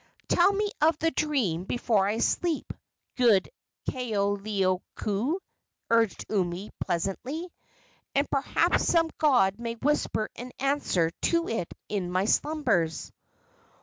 "Tell me of the dream before I sleep, good Kaoleioku," urged Umi, pleasantly, "and perhaps some god may whisper an answer to it in my slumbers."